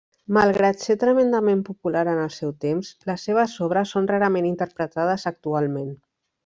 Malgrat set tremendament popular en el seu temps, les seves obres són rarament interpretades actualment.